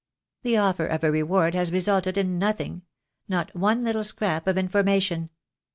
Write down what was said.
The offer of a reward has resulted in nothing — not one little scrap of information.